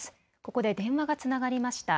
ここで電話がつながりました。